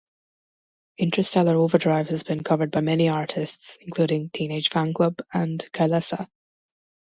"Interstellar Overdrive" has been covered by many artists, including Teenage Fanclub and Kylesa.